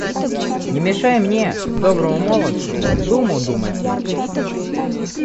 Не мешай мне, доброму молодцу, думу думати.